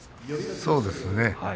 そうですね。